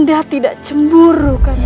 dinda tidak cemburu kandang